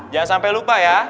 jangan sampai lupa ya